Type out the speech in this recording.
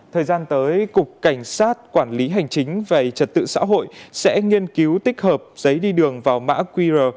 thời gian tới cục cảnh sát quản lý hành chính về trật tự xã hội sẽ nghiên cứu tích hợp giấy đi đường vào mã qr